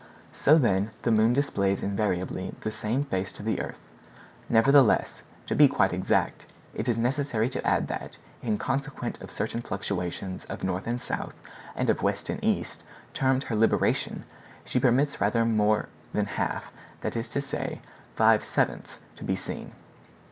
So, then the moon displays invariably the same face to the earth; nevertheless, to be quite exact, it is necessary to add that, in consequence of certain fluctuations of north and south, and of west and east, termed her libration, she permits rather more than half, that is to say, five sevenths, to be seen.